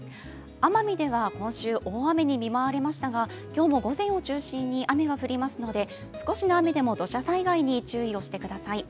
奄美では今週大雨に見舞われましたが、今日も午前を中心に雨が降りますので、少しの雨でも土砂災害に注意をしてください。